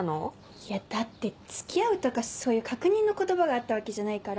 いやだって付き合うとかそういう確認の言葉があったわけじゃないから。